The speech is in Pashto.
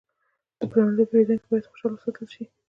د پلورنځي پیرودونکي باید خوشحاله وساتل شي.